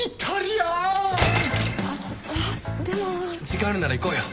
時間あるなら行こうよ。